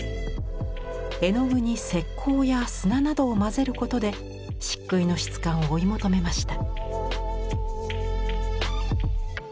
絵の具に石膏や砂などを混ぜることで漆喰の質感を追い求めました。